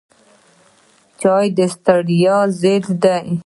چای د ستړیا ضد دی